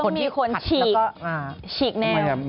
ต้องมีคนฉีกฉีกแนว